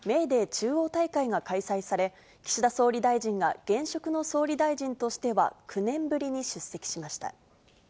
中央大会が開催され、岸田総理大臣が現職の総理大臣としては９年ぶりに出席しました。